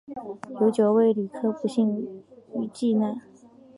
有九位旅客不幸罹难